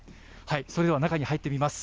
それでは中に入ってみます。